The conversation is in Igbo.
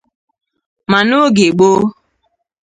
ma n'oge gboo